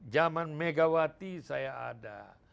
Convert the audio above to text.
zaman megawati saya ada